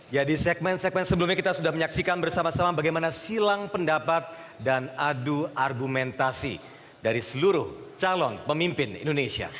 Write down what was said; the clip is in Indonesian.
ya di segmen segmen sebelumnya kita sudah menyaksikan bersama sama bagaimana silang pendapat dan adu argumentasi dari seluruh calon pemimpin indonesia